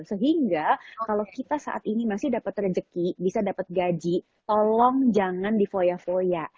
sehingga kalau kita saat ini masih dapat rezeki bisa dapat gaji tolong jangan di foya foya